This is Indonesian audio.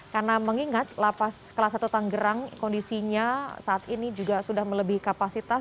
karena mengingat lapas kelas satu tanggerang kondisinya saat ini juga sudah melebihi kapasitas